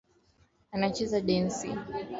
Anacheza densi